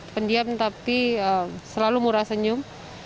pendiam tapi selalu murah senyum